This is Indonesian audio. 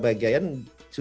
sudah dijadikan hari libur